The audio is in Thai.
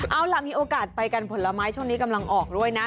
เอาล่ะมีโอกาสไปกันผลไม้ช่วงนี้กำลังออกด้วยนะ